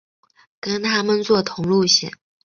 跟他们坐同路线